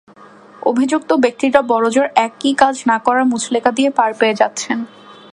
অভিযুক্ত ব্যক্তিরা বড়জোর একই কাজ না করার মুচলেকা দিয়ে পার পেয়ে যাচ্ছেন।